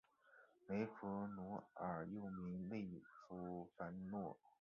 雷佛奴尔又名利凡诺。